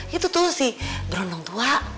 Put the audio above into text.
itu tuh si beruntung tua